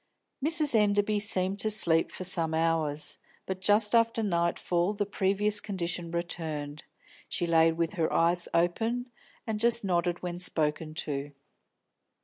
Mrs. Enderby seemed to sleep for some hours, but just after nightfall the previous condition returned; she lay with her eyes open, and just nodded when spoken to.